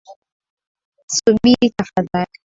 Subiri tafadhali.